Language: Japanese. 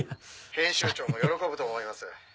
「編集長も喜ぶと思います」